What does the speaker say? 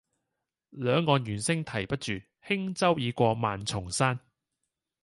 兩岸猿聲啼不住，輕舟已過萬重山。